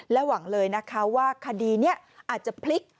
หวังเลยนะคะว่าคดีนี้อาจจะพลิก